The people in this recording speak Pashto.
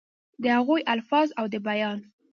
دَ هغوي الفاظ او دَ بيان